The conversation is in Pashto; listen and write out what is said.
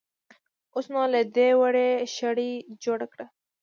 اوس نو له دې وړۍ شړۍ جوړه کړه.